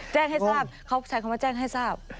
แจ้งให้ทราบเขาใช้คำว่าแจ้งให้ทราบ